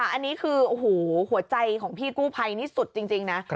อันนี้คือโอ้โหหัวใจของพี่กู้ภัยนี่สุดจริงนะ